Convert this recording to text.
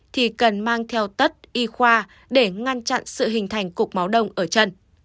thì cần mang theo tất y khoa để ngăn chặn sự hình thành cục máu đông ở chân